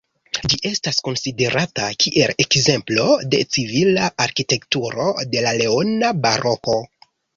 Ĝi estas konsiderata kiel ekzemplo de civila arkitekturo de la leona baroko.